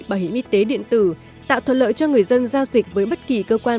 bảo hiểm y tế điện tử tạo thuận lợi cho người dân giao dịch với bất kỳ cơ quan